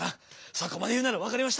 そこまで言うなら分かりました！